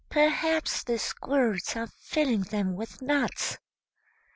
"Perhaps the squirrels are filling them with nuts."